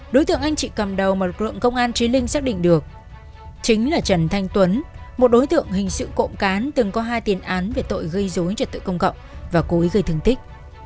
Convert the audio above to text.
đối tượng anh chị cầm đầu mà lực lượng công an trí linh xác định được chính là trần thanh tuấn một đối tượng hình sự cộng cán từng có hai tiền án về tội gây dối trật tự công cộng và cố ý gây thương tích